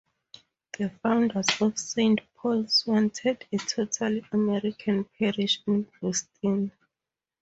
The founders of Saint Paul's wanted a totally American parish in Boston.